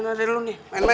nih nera telepon dulu ya